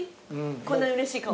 こんなにうれしい顔。